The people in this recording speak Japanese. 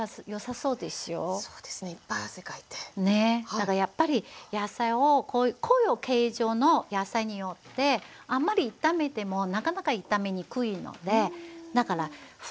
だからやっぱり野菜をこういう形状の野菜によってあんまり炒めてもなかなか炒めにくいのでだからふたを上手に使って。